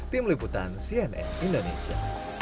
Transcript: tim liputan cnn indonesia